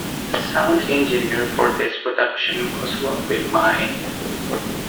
The sound engineer for this production was Robin Mai.